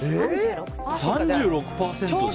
３６％ですよ。